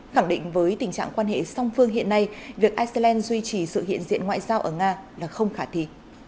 khẳng định với tình trạng quan hệ song phương hiện nay việc iceland duy trì sự hiện diện ngoại giao ở nga là không khả thi